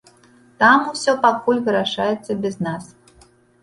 Там усё пакуль вырашаецца без нас.